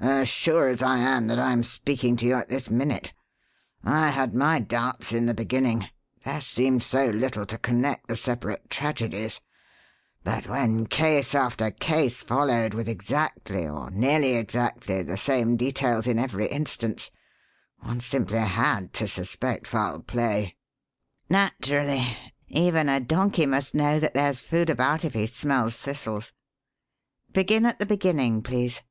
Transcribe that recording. "As sure as I am that I'm speaking to you at this minute. I had my doubts in the beginning there seemed so little to connect the separate tragedies but when case after case followed with exactly, or nearly exactly, the same details in every instance, one simply had to suspect foul play." "Naturally. Even a donkey must know that there's food about if he smells thistles. Begin at the beginning, please.